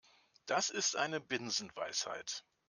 Das ist eine Binsenweisheit.